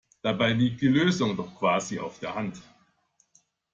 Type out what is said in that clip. Dabei liegt die Lösung doch quasi auf der Hand!